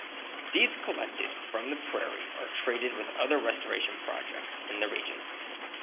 Seeds collected from the prairie are traded with other restoration projects in the region.